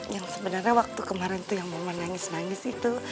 yang sebenarnya waktu kemarin tuh yang mama nangis nangis itu